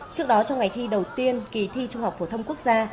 trước đó trong ngày thi đầu tiên kỳ thi trung học phổ thông quốc gia